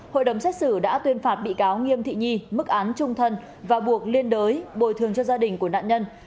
hội đồng xét xử đã tuyên phạt bị cáo nghiêm thị nhi mức án trung thân và buộc liên đới bồi thường cho gia đình của nạn nhân